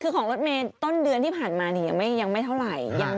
คือของรถเมย์ต้นเดือนที่ผ่านมายังไม่เท่าไหร่